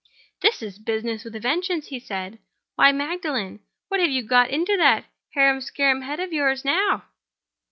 "This is business with a vengeance!" he said. "Why, Magdalen! what have you got in that harum scarum head of yours now?"